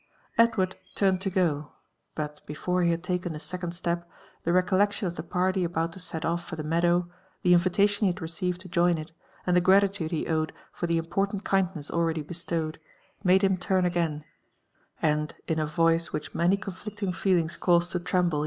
Edward turned to go ; but before he had taken a second step, the recollection of the party about to set otf for the meadow, the invitation he had received to join it, and the gratitude he owed for the important kindness already bestowed, made him turn again, and in a voice which many conOicting feelings caused to treml)(e